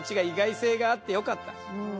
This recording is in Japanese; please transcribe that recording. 「意外性があってよかった」